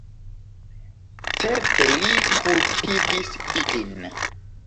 Certe li kultivis ilin.